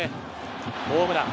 ホームラン。